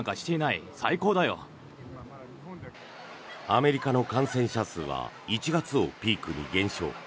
アメリカの感染者数は１月をピークに減少。